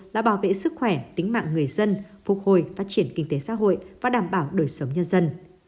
là bảo vệ sức khỏe tính mạng người dân phục hồi phát triển kinh tế xã hội và đảm bảo đời sống nhân dân